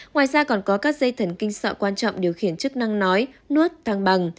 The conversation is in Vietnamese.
ngoài ra còn có các dây thần kinh sọ quan trọng điều khiển chức năng nói nuốt thang bằng